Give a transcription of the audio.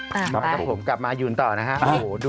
ขอบคุณค่ะมากับผมกลับมาหยุดต่อนะครับโอ้โฮดูดี